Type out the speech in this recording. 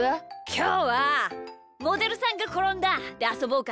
きょうは「モデルさんがころんだ」であそぼうか。